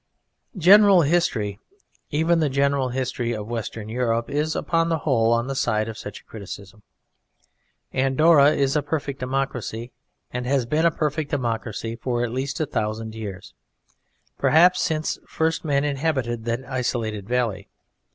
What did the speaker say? General history, even the general history of Western Europe, is upon the whole on the side of such a criticism. Andorra is a perfect democracy, and has been a perfect democracy for at least a thousand years, perhaps since first men inhabited that isolated valley.